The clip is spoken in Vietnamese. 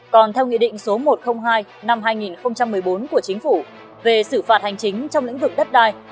còn theo nghị định số một trăm linh hai năm hai nghìn một mươi bốn của chính phủ về xử phạt hành chính trong lĩnh vực đất đai